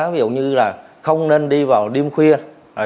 ví dụ như là không nên đi vào đêm khuya